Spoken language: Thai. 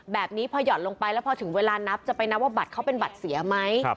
แบบนี้พอหย่อนลงไปแล้วพอถึงเวลานับจะไปนับว่าบัตรเขาเป็นบัตรเสียไหม